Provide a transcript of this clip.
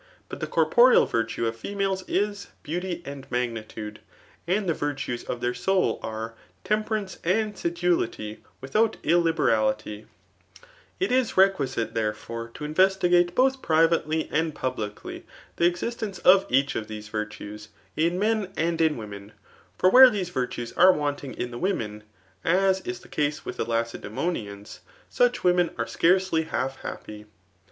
But the coi^oreal virtue of fe itiaies is, beauty arid magnitude ; and the virtues of tbtir soul are, temperance and sedulity without iU&iefafiiy. ft 28 TKB 4AT OT . BOOK X. is reqimitey'dierefore^ tb iayestagaie bodi prifHelyaad publicly the existence of each of thete virtues, in. meo and in women ; for where these virtues are wanting in die woinen» as is the case with the Laoedssmoiuans, sikJi women are scarcely half happy.